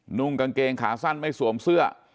นุ่งกางเกงขาสั้นไม่สวมเสื้อ